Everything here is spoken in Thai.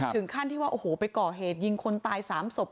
ถึงขั้นที่ว่าโอ้โหไปก่อเหตุยิงคนตาย๓ศพ